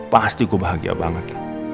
pasti gue bahagia banget